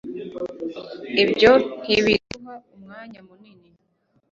ibyo ntibiduha umwanya munini